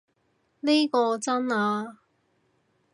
呢個真啊